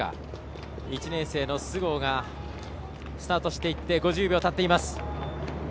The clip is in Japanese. １年生の須郷がスタートしていって５０秒たっています。